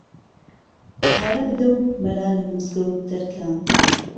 پاره بدهو مهلا له مزگهوت دهرکه